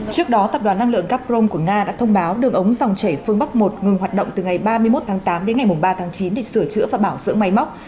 trước đó tập đoàn năng lượng caprom của nga đã thông báo đường ống dòng chảy phương bắc một ngừng hoạt động từ ngày ba mươi một tháng tám đến ngày ba tháng chín để sửa chữa và bảo dưỡng máy móc